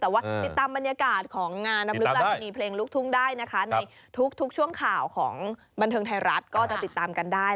แต่ว่าติดตามบรรยากาศของงานรำลึกราชนีเพลงลูกทุ่งได้นะคะในทุกช่วงข่าวของบันเทิงไทยรัฐก็จะติดตามกันได้